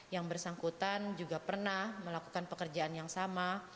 yang bersangkutan juga pernah melakukan pekerjaan yang sama